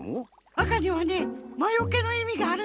赤にはねまよけのいみがあるんだって。